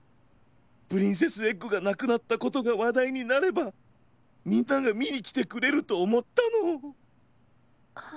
プリンセスエッグがなくなったことがわだいになればみんながみにきてくれるとおもったの。